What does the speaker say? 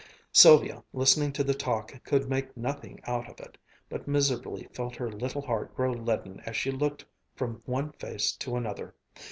Sylvia, listening to the talk, could make nothing out of it, but miserably felt her little heart grow leaden as she looked from one face to another.